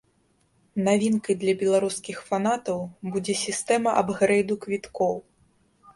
Навінкай для беларускіх фанатаў будзе сістэма апгрэйду квіткоў.